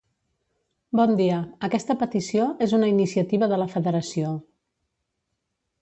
Bon dia, aquesta petició és una iniciativa de la federació